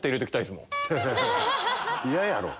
嫌やろ。